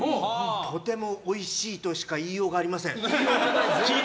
とてもおいしいとしか言いようがありません。